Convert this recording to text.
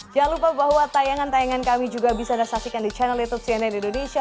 jangan lupa bahwa tayangan tayangan kami juga bisa anda saksikan di channel youtube cnn indonesia